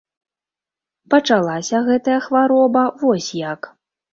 Пачалася гэтая хвароба вось як.